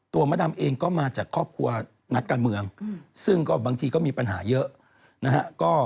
มดดำเองก็มาจากครอบครัวนักการเมืองซึ่งก็บางทีก็มีปัญหาเยอะนะฮะ